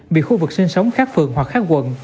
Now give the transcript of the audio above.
bị khu vực sinh sống khác phường hoặc khác quận